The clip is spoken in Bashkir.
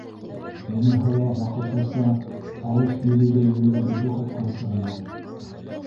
Уныһы ла ваҡытлыса, алыҫ йөҙөүҙә йөрөгән ире ҡайтҡансы ғына...